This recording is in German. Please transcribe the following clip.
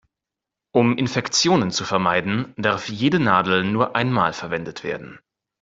Um Infektionen zu vermeiden, darf jede Nadel nur einmal verwendet werden.